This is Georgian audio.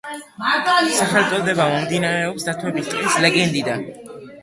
სახელწოდება მომდინარეობს დათვების ტყის ლეგენდიდან.